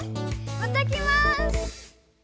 また来ます！